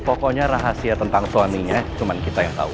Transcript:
pokoknya rahasia tentang suaminya cuman kita yang tau